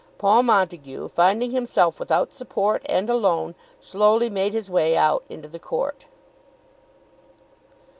Paul Montague finding himself without support and alone, slowly made his way out into the court.